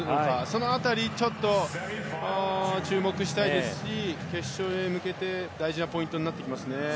その辺り、注目したいですし決勝へ向けて大事なポイントになってきます。